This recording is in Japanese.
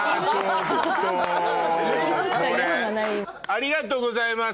ありがとうございます